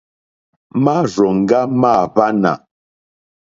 Márzòŋɡá mâ hwánà.